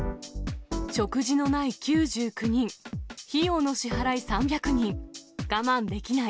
食事のない９９人、費用の支払い３００人、我慢できない！